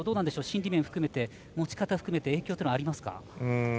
心理面含めて持ち方含めて影響ありますか。